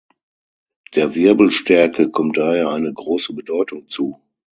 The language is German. Der Wirbelstärke kommt daher eine große Bedeutung zu.